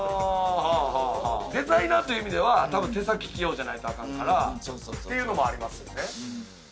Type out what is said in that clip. デザイナーという意味では多分、手先器用じゃないとあかんからっていうのもありますよね。